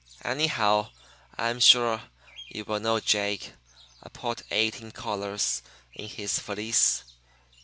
Anyhow, I'm sure you will know Jake. I put eighteen collars in his valise.